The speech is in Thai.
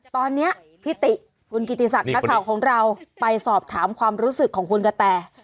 ตอนนี้พี่ติคุณกิติศักดิ์นักข่าวของเราไปสอบถามความรู้สึกของคุณกะแต